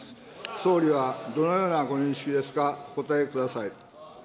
総理はどのようなご認識ですか、お答えください。